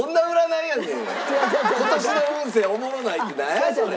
今年の運勢おもろないってなんやそれ！